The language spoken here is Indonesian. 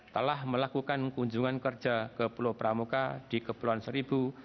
telah melakukan kunjungan kerja ke pulau pramuka di kepulauan seribu